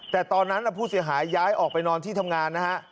แต่ตอนนั้นผู้เสียหายย้ายออกไปนอนที่ทำงานนะฮะ